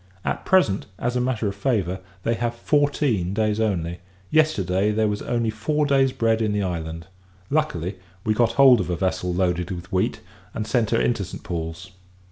At present, as a matter of favour, they have fourteen days only. Yesterday, there was only four days bread in the island. Luckily, we got hold of a vessel loaded with wheat, and sent her into St. Paul's.